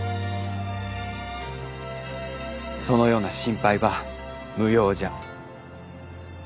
そのような心配は無用じゃ。